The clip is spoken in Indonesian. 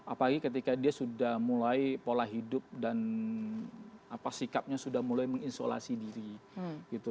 apalagi ketika dia sudah mulai pola hidup dan sikapnya sudah mulai mengisolasi diri gitu